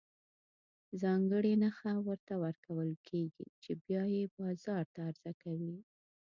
ځانګړې نښه ورته ورکول کېږي چې بیا یې بازار ته عرضه کوي.